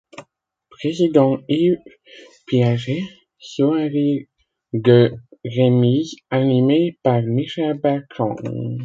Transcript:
Président Yves Piaget, soirées de remise animées par Michel Bertrand.